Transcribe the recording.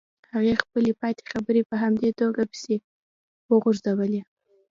هغې خپلې پاتې خبرې په همدې توګه پسې وغزولې.